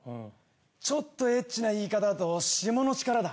ちょっとエッチな言い方だとシモの力だ。